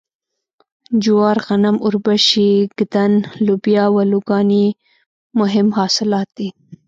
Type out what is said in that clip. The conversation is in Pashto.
جوار غنم اوربشې ږدن لوبیا او الوګان یې مهم حاصلات دي.